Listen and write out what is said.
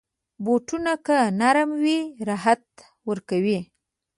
بوټونه که نرم وي، راحت ورکوي.